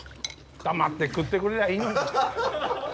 黙って食ってくれりゃいいのに。